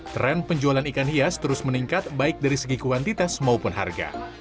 tren penjualan ikan hias terus meningkat baik dari segi kuantitas maupun harga